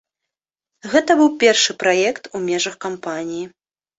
Гэта быў першы праект у межах кампаніі.